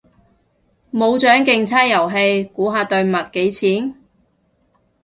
冇獎競猜遊戲，估下對襪幾錢？